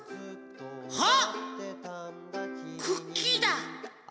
あっクッキーだ。